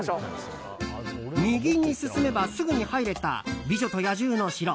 右に進めば、すぐに入れた美女と野獣の城。